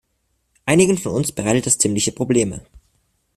Einigen von uns bereitet das ziemliche Probleme.